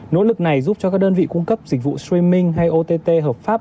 nỗ lực này giúp cho các đơn vị cung cấp dịch vụ streaming hay ott hợp pháp